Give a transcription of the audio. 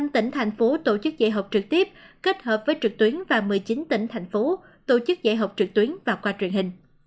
một mươi năm tỉnh thành phố tổ chức dạy học trực tiếp kết hợp với trực tuyến và một mươi chín tỉnh thành phố tổ chức dạy học trực tuyến và qua truyền hình